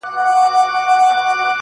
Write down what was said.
یو خوا مُلا دی بل خوا کرونا ده؛